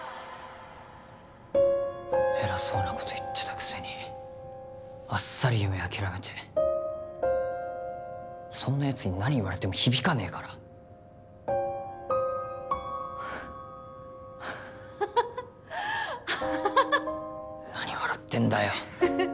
偉そうなこと言ってたくせにあっさり夢諦めてそんなやつに何言われても響かねえから何笑ってんだよ